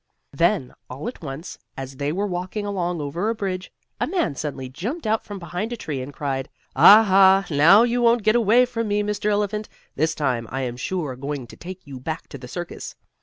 Then, all at once, as they were walking along over a bridge, a man suddenly jumped out from behind a tree, and cried: "Ah, ha! Now you won't get away from me, Mr. Elephant. This time I am surely going to take you back to the circus."